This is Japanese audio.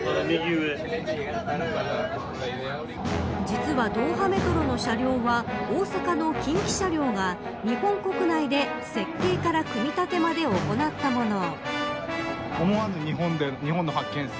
実はドーハ・メトロの車両は大阪の近畿車両が、日本国内で設計から組み立てまで行ったもの。